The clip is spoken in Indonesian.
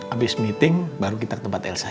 abis meeting baru kita ke tempat elsa